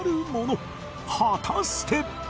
果たして